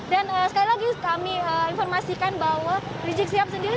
dan sekali lagi kami informasikan bahwa rizik siap sendiri